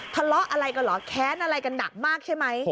ทะเลาะอะไรกันเหรอแค้นอะไรกันหนักมากใช่ไหม